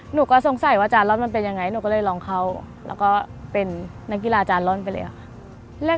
หนูก็สงสัยว่าอาจารย์ร่อนมันเป็นยังไงหนูก็เลยลองเข้าแล้วก็เป็นนักกีฬาอาจารย์ร่อนไปเลยค่ะ